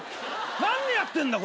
何やってんだ？